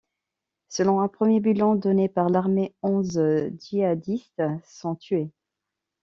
Selon un premier bilan donné par l'armée, onze djihadistes sont tués.